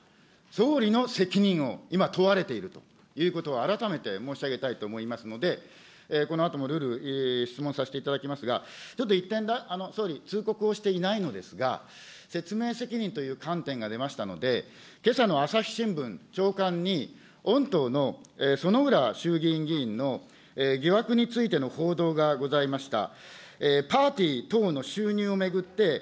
総理の責任を今問われているということを改めて申し上げたいと思いますので、このあとも、縷々質問させていただきますが、ちょっと１点、総理、通告をしていないのですが、説明責任という観点が出ましたので、けさの朝日新聞朝刊に、御党の薗村衆議院議員の疑惑についての報道がございました。